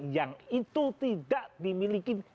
yang itu tidak dimiliki